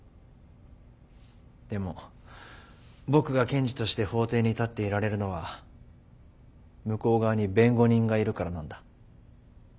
でも僕が検事として法廷に立っていられるのは向こう側に弁護人がいるからなんだ。